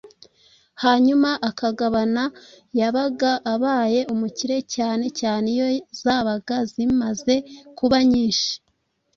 hanyuma akagabana, yabaga abaye umukire cyane cyane iyo zabaga zimaze kuba nyinshi.